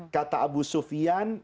kata abu sufyan